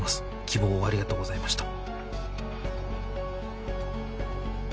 希望をありがとうございました」。